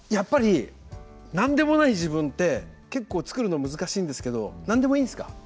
やっぱり何でもない自分って結構作るの難しいんですけど何でもいいんですか。